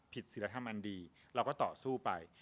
ศิลธรรมอันดีเราก็ต่อสู้ไป